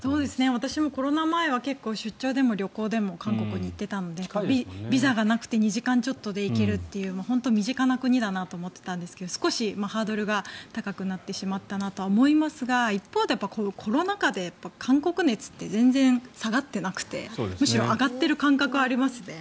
私もコロナ前は出張でも旅行でも韓国に行っていたのでビザがなくて２時間ちょっとで行けるという身近な国だなと思っていたんですが少しハードルが高くなってしまったなと思いますが一方でコロナ禍で韓国熱って全然下がってなくてむしろ上がっている感覚がありますね。